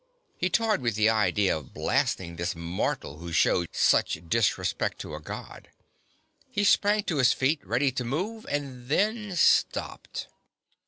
He toyed with the idea of blasting this mortal who showed such disrespect to a God. He sprang to his feet, ready to move, and then stopped.